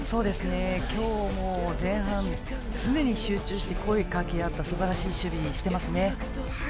今日も前半常に集中して声かけあってすばらしい守備をしていますね。